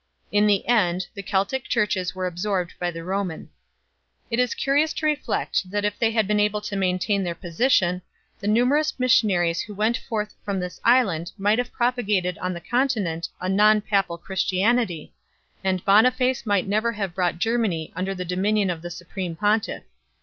In the end, the Keltic Churches were absorbed by the Roman. It is curious to reflect that if they had been able to main tain their position the numerous missionaries who went forth from this island might have propagated on the Continent a non papal Christianity, and Boniface might never have brought Germany under the dominion of the Supreme Pontiff.